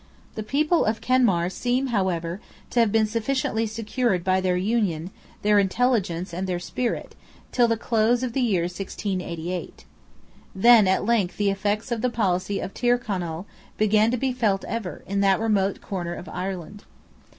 The people of Kenmare seem however to have been sufficiently secured by their union, their intelligence and their spirit, till the close of the year 1688. Then at length the effects of the policy of Tyrconnel began to be felt ever, in that remote corner of Ireland.